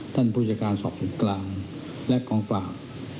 ท่านผู้จัดการสอบส่วนกลางและกองฝาก